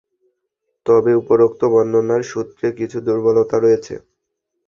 তবে উপরোক্ত বর্ণনার সূত্রে কিছু দুর্বলতা রয়েছে।